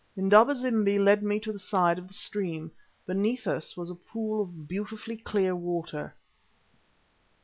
Indaba zimbi led me to the side of the stream. Beneath us was a pool of beautifully clear water.